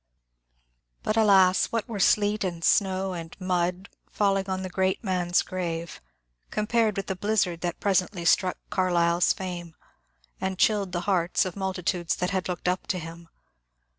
But alas, what were sleet and snow and mud falling on the great man's grave compared with the blizzard that pre sently struck Carlyle's fame, and chilled the hearts of multip 212 MONCURE DANIEL CONWAY tudes that had looked up to him